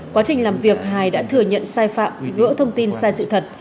quá trình làm việc hài đã thừa nhận sai phạm gỡ thông tin sai sự thật